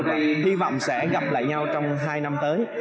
thì hy vọng sẽ gặp lại nhau trong hai năm tới